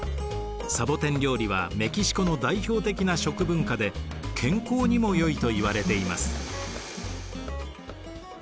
サボテン料理はメキシコの代表的な食文化で健康にもよいといわれています。